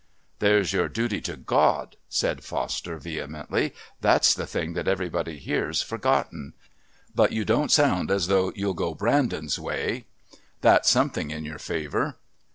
"There's your duty to God," said Foster vehemently. "That's the thing that everybody here's forgotten. But you don't sound as though you'd go Brandon's way. That's something in your favour."